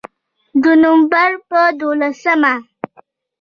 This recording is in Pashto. د نومبر په دولسمه